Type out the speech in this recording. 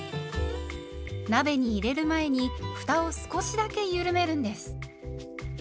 鍋に入れる前にふたを少しだけゆるめるんです。